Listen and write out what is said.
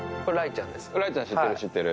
雷ちゃん、知ってる、知ってる。